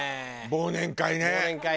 忘年会ね。